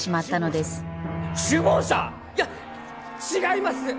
いや違います！